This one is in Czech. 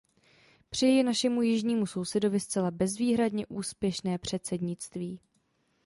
Přeji našemu jižnímu sousedovi zcela bezvýhradně úspěšné předsednictví!